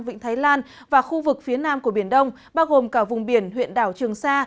vịnh thái lan và khu vực phía nam của biển đông bao gồm cả vùng biển huyện đảo trường sa